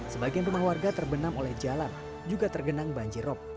sebagian rumah warga terbenam oleh jalan juga tergenang banjirop